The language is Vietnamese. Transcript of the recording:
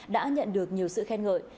đã nhận được nhiều sự khen ngợi